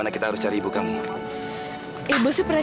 hati aku sedih banget